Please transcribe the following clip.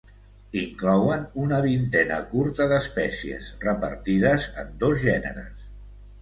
Inclouen una vintena curta d'espècies repartides en dos gèneres.